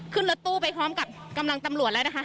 คุณภาคภูมิพยายามอยู่ในจุดที่ปลอดภัยด้วยนะคะ